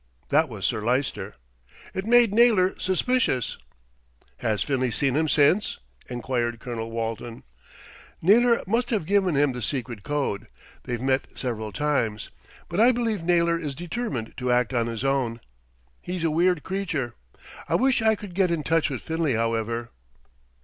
"That was Sir Lyster." "It made Naylor suspicious." "Has Finlay seen him since?" enquired Colonel Walton. "Naylor must have given him the secret code. They've met several times; but I believe Naylor is determined to act on his own. He's a weird creature. I wish I could get in touch with Finlay, however."